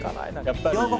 やっぱり。